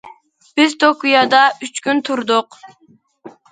بىز توكيودا ئۈچ كۈن تۇردۇق.